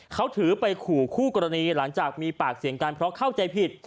เขาถือไปขู่คู่กรณีหลังจากมีปากเสียงกันเพราะเข้าใจผิด